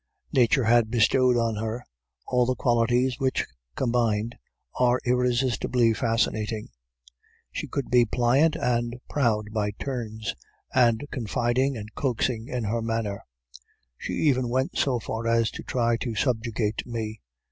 Nature had bestowed on her all the qualities which, combined, are irresistibly fascinating; she could be pliant and proud by turns, and confiding and coaxing in her manner; she even went so far as to try to subjugate me.